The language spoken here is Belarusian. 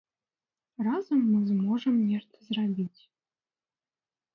Разам мы зможам нешта зрабіць.